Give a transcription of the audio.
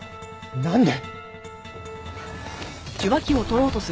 なんで？